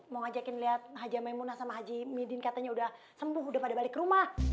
mau ngajakin liat haji amai muna sama haji midin katanya udah sembuh udah pada balik ke rumah